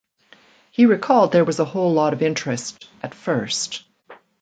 He recalled There was a whole lot of interest, at first.